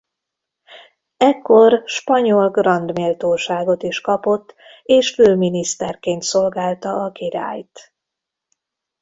Ekkor spanyol grand méltóságot is kapott és főminiszterként szolgálta a királyt.